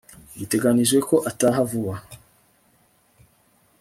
biteganijwe ko ataha vuba